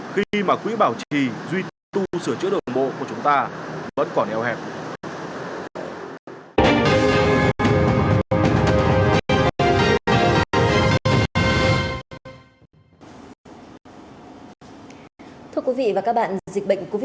khi mà quỹ bảo trì